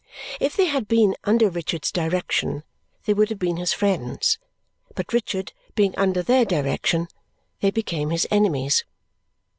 If they had been under Richard's direction, they would have been his friends; but Richard being under their direction, they became his enemies.